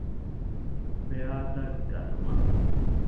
ސްޕެއަރތައް ގަތުމަށް